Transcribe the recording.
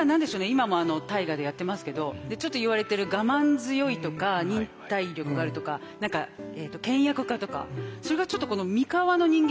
今も大河でやってますけどちょっと言われてる我慢強いとか忍耐力があるとか何か倹約家とかそれがちょっと三河の人間